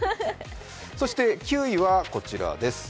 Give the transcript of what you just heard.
そして９位はこちらです。